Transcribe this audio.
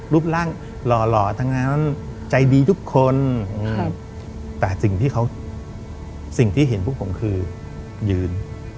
รูปร่างหล่อทั้งนั้นใจดีทุกคนแต่สิ่งที่เขาสิ่งที่เห็นพวกผมคือยืน